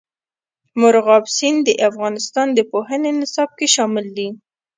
مورغاب سیند د افغانستان د پوهنې نصاب کې شامل دي.